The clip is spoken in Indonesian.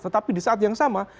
tetapi di saat yang sama